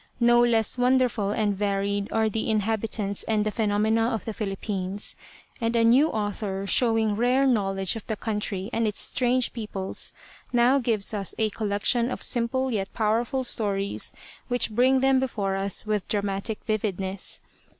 No less wonderful and varied are the inhabitants and the phenomena of the Philippines, and a new author, showing rare knowledge of the country and its strange peoples, now gives us a collection of simple yet powerful stories which bring them before us with dramatic vividness.